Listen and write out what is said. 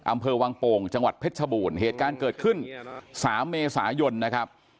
อำเภอวังโป่งจังหวัดเพชรชบูรณ์เหตุการณ์เกิดขึ้นสามเมษายนนะครับ